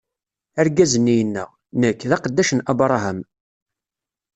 Argaz-nni yenna: Nekk, d aqeddac n Abṛaham.